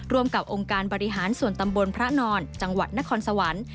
ร่วมกับองค์การบริหารส่วนตำบลพระนอนจังหวัดนครสวรรค์